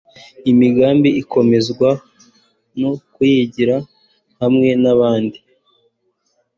imigambi ikomezwa no kuyigira hamwe n'abandi